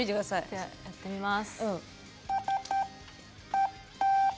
じゃあ、やってみます。